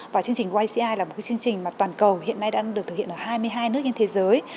và chương trình wici là một chương trình mà toàn cầu hiện nay đang được thực hiện ở hai mươi hai nước trên thế giới